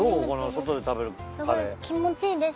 この外で食べるカレー？